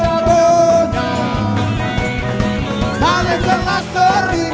yang penting asik